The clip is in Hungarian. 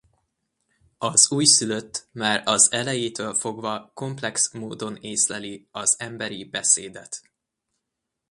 Az újszülött már az elejétől fogva komplex módon észleli az emberi beszédet.